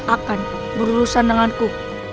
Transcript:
akan berurusan denganku